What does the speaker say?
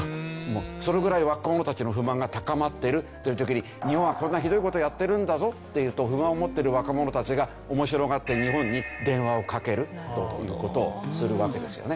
そのぐらい若者たちの不満が高まってるという時に日本はこんなひどい事をやってるんだぞって言うと不満を持ってる若者たちが面白がって日本に電話をかけるという事をするわけですよね。